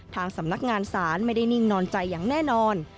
ทางสำนักงานศาลไม่ได้นิ่งนอนใจอย่างแน่นอน